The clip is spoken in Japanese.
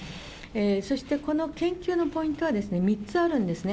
そしてこの研究のポイントは３つあるんですね。